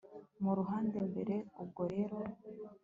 mu ruhame mbere, ubwo rero